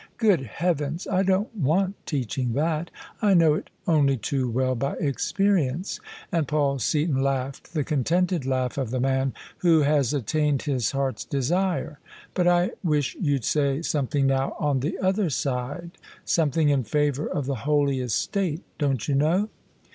Good heavens, I don't want teaching thatl I know it only too well by experience 1 " And Paul Seaton laughed the contented laugh of the man who has attained his heart's desire. " But I wish you'd say something now on the other side — something in favour of the holy estate, don't you know?